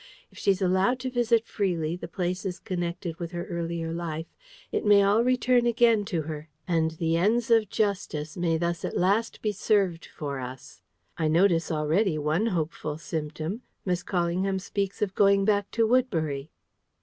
If she's allowed to visit freely the places connected with her earlier life, it may all return again to her; and the ends of Justice may thus at last be served for us. I notice already one hopeful symptom: Miss Callingham speaks of going back to Woodbury."